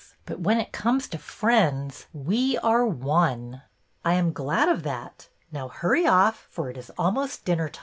But when it comes to friends, we are one." " I am glad of that. Now hurry off, for it is almost dinner time."